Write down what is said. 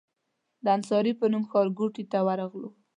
د انصاري په نوم ښارګوټي ته ورغلو.